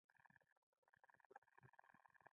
غرمه د ستړیا پای ټکی دی